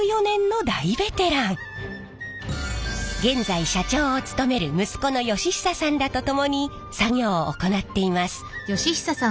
現在社長を務める息子の義久さんらと共に作業を行っています。